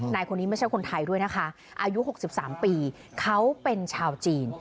นายคนนี้ไม่ใช่คนไทยด้วยนะคะอายุ๖๓ปีเขาเป็นชาวจีน